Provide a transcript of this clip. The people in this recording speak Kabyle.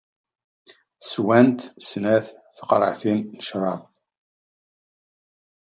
Swant snat teqreɛtin n ccrab.